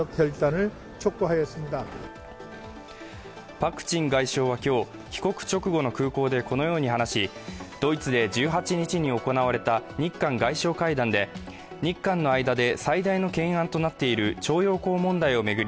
パク・チン外相は今日、帰国直後の空港でこのように話しドイツで１８日に行われた日韓外相会談で日韓の間で最大の懸案となっている徴用工問題を巡り